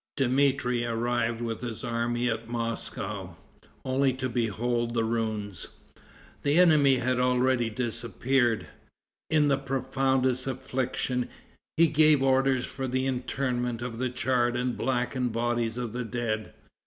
Dmitri arrived with his army at Moscow, only to behold the ruins. The enemy had already disappeared. In profoundest affliction, he gave orders for the interment of the charred and blackened bodies of the dead.